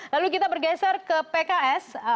lalu kita bergeser ke pks